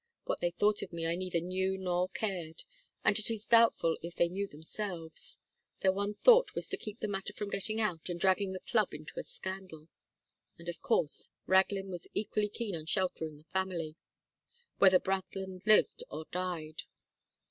What they thought of me I neither knew nor cared, and it is doubtful if they knew themselves; their one thought was to keep the matter from getting out and dragging the Club into a scandal; and of course Raglin was equally keen on sheltering the family, whether Brathland lived or died.